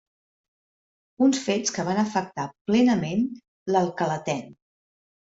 Uns fets que van afectar plenament l'Alcalatén.